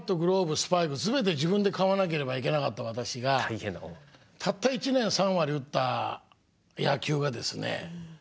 スパイク全て自分で買わなければいけなかった私がたった１年３割打った野球がですね